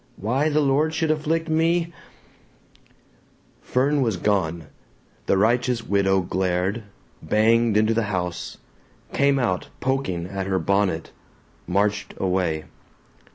Why the Lord should afflict me " Fern was gone. The righteous widow glared, banged into the house, came out poking at her bonnet, marched away.